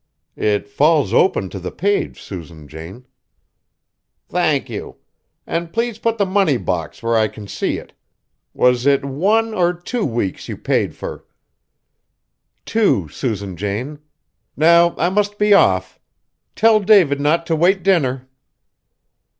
"It falls open to the page, Susan Jane." "Thank you. An' please put the money box where I can see it. Was it one or two weeks you paid fur?" "Two, Susan Jane. Now I must be off. Tell David not to wait dinner."